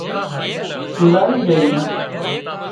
گذاري جھئي